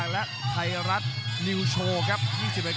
และไทรัตนิวโชครับ๒๐นาที